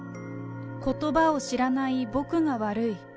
ことばを知らない僕が悪い。